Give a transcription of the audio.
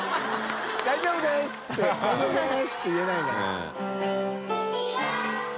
「大丈夫です」って言えないから。））